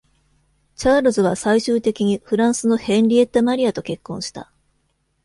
チャールズは、最終的にフランスのヘンリエッタ・マリアと結婚した。